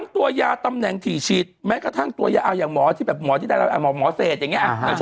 ตัวยาตำแหน่งถี่ฉีดทั้งตัวยาให้หมอเศรษฐ์อย่างเงี้ย